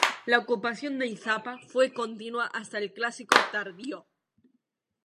La ocupación de Izapa fue continua hasta el Clásico Tardío.